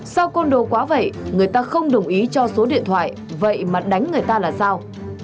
sau côn đồ quá vậy người ta không đồng ý cho số điện thoại vậy mà đánh người ta là sao